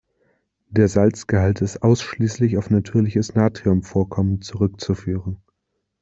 Der Salzgehalt ist ausschließlich auf natürliches Natriumvorkommen zurückzuführen.